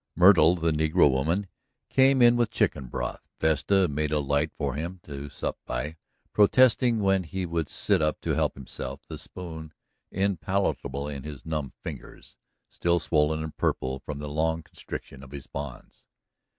Myrtle, the negro woman, came in with chicken broth. Vesta made a light for him to sup by, protesting when he would sit up to help himself, the spoon impalpable in his numb fingers, still swollen and purple from the long constriction of his bonds.